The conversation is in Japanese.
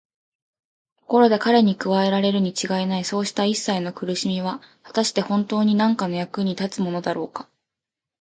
ところで彼に加えられるにちがいないそうしたいっさいの苦しみは、はたしてほんとうになんかの役に立つものだろうか。